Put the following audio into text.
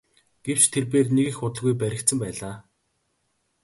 Гэвч тэрбээр нэг их удалгүй баригдсан байлаа.